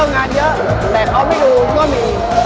คนเยอะก็มี